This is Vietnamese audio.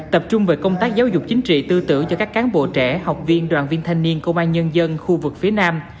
tập trung về công tác giáo dục chính trị tư tưởng cho các cán bộ trẻ học viên đoàn viên thanh niên công an nhân dân khu vực phía nam